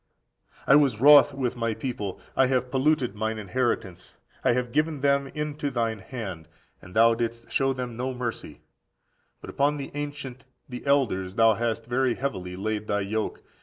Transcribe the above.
35. "I was wroth with my people; I have polluted mine inheritance, I have given them into thine hand: and thou didst show them no mercy; but upon the ancient (the elders) thou hast very heavily laid thy yoke.